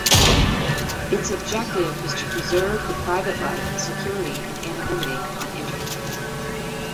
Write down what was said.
Its objective is to preserve the private life, security and anonymity on Internet.